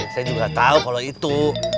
saya juga tahu kalau itu